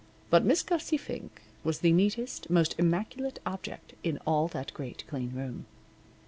But Miss Gussie Fink was the neatest, most immaculate object in all that great, clean room.